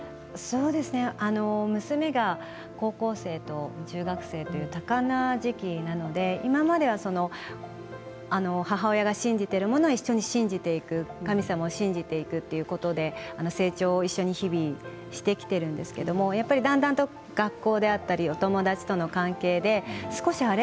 娘が高校生と中学生という多感な時期なので今までは母親が信じているものは一緒に信じる、神様を信じていくということで成長を一緒に日々してきているんですけれどだんだんと学校だったりお友達との関係で少しあれ？